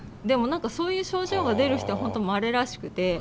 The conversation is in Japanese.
でもそういう症状が出る人は本当まれらしくて。